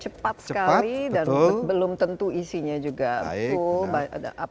cepat sekali dan belum tentu isinya juga full